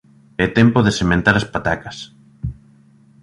É tempo de sementar as patacas